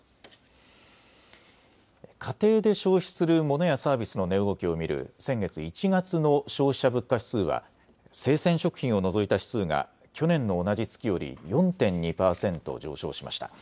家庭で消費するモノやサービスの値動きを見る先月・１月の消費者物価指数は生鮮食品を除いた指数が去年の同じ月より４．２％上昇しました。